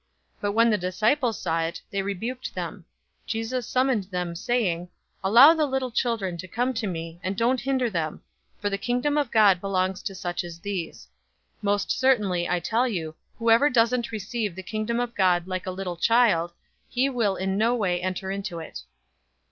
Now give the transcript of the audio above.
But when the disciples saw it, they rebuked them. 018:016 Jesus summoned them, saying, "Allow the little children to come to me, and don't hinder them, for the Kingdom of God belongs to such as these. 018:017 Most certainly, I tell you, whoever doesn't receive the Kingdom of God like a little child, he will in no way enter into it."